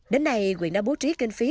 đến nay quyền nam bố trí kinh phi